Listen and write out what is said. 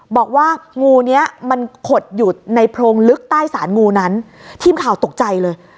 บอกว่างูเนี้ยมันขดอยู่ในโพรงลึกใต้สารงูนั้นทีมข่าวตกใจเลย